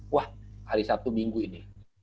wah hari sabtu minggu ini